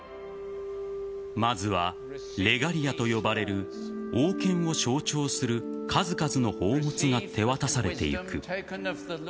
まずは、レガリアと呼ばれる王権を象徴する数々の宝物が手渡されてゆく。